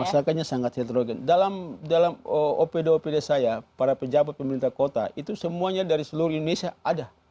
masyarakatnya sangat heterogen dalam opd opd saya para pejabat pemerintah kota itu semuanya dari seluruh indonesia ada